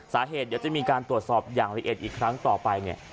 สาเหตุเดี๋ยวจะมีการตรวจสอบอย่างละเอ็ดอีกครั้งต่อไป